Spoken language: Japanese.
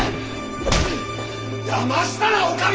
だましたなおかみ！